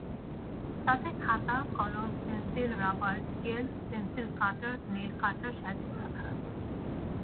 তাতে খাতা, কলম, pencil, rubber, scale, pencil cutter, nail cutter সাজিয়ে রাখা।